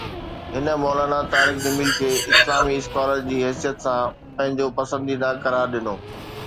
هن مولانا طارق جميل کي اسلامي اسڪالر جي حيثيت سان پنهنجو پسنديده قرار ڏنو